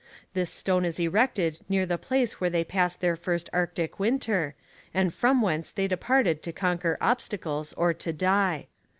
"This stone is erected near the place where they passed their first Arctic winter, and from whence they departed to conquer obstacles or to die.